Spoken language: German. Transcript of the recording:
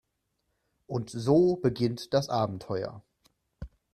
Und so beginnt das Abenteuer.